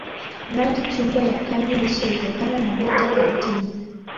rangi chungwa ya kiazi lishe hutokana na beta karotini